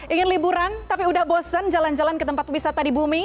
ingin liburan tapi udah bosan jalan jalan ke tempat wisata di bumi